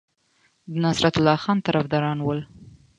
د نصرالله خان طرفداران ول.